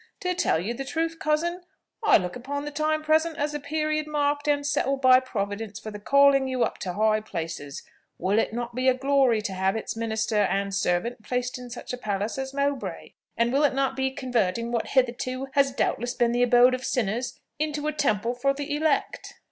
To tell you the truth, cousin, I look upon the time present as a period marked and settled by Providence for the calling you up to the high places. Will it not be a glory to have its minister and servant placed in such a palace as Mowbray? and will it not be converting what hitherto has doubtless been the abode of sinners, into a temple for the elect?"